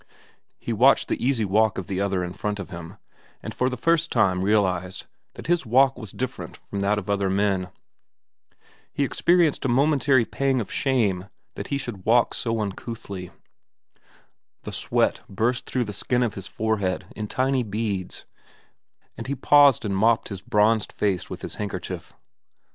He watched the easy walk of the other in front of him, and for the first time realized that his walk was different from that of other men. He experienced a momentary pang of shame that he should walk so uncouthly. The sweat burst through the skin of his forehead in tiny beads, and he paused and mopped his bronzed face with his handkerchief.